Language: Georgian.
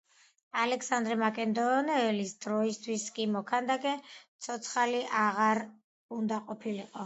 ალექსანდრე მაკედონელის დროისთვის, კი მოქანდაკე ცოცხალი აღარ უნდა ყოფილიყო.